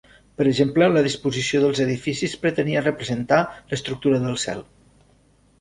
Per exemple la disposició dels edificis pretenia representar l'estructura del cel.